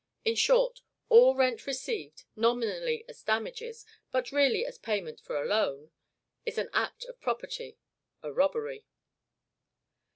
In short, all rent received (nominally as damages, but really as payment for a loan) is an act of property, a robbery.